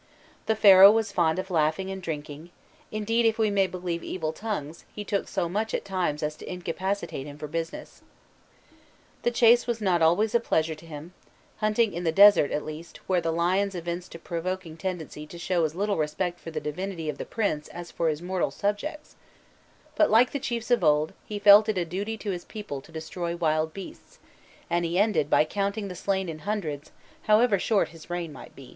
The Pharaoh was fond of laughing and drinking; indeed, if we may believe evil tongues, he took so much at times as to incapacitate him for business. The chase was not always a pleasure to him, hunting in the desert, at least, where the lions evinced a provoking tendency to show as little respect for the divinity of the prince as for his mortal subjects; but, like the chiefs of old, he felt it a duty to his people to destroy wild beasts, and he ended by counting the slain in hundreds, however short his reign might be.